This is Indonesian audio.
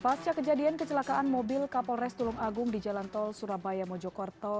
pasca kejadian kecelakaan mobil kapolres tulung agung di jalan tol surabaya mojokerto